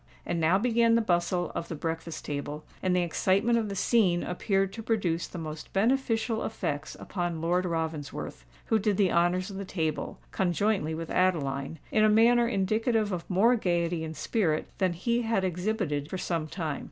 And now began the bustle of the breakfast table, and the excitement of the scene appeared to produce the most beneficial effects upon Lord Ravensworth, who did the honours of the table, conjointly with Adeline, in a manner indicative of more gaiety and spirit than he had exhibited for some time.